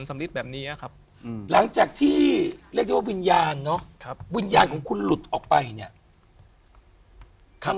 มันจะยุ่ง